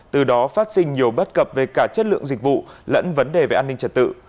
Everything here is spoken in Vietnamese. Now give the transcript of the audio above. từ đó phát sinh nhiều bất cập về cả chất lượng dịch vụ lẫn vấn đề về an ninh trật tự